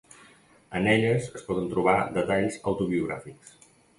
En elles es poden trobar detalls autobiogràfics.